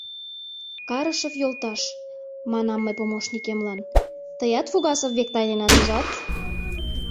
— Карышев йолташ, — манам мый помощникемлан, — Тыят Фугасов век тайненат, ужат?